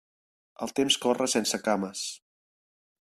El temps corre sense cames.